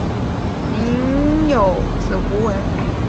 宁有子胡虔。